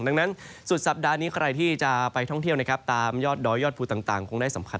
ดังนั้นสุดสัปดาห์นี้ใครที่จะไปท่องเที่ยวนะครับตามยอดดอยยอดภูต่างคงได้สำคัญ